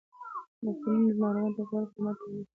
روغتونونه ناروغانو ته غوره خدمات وړاندې کوي.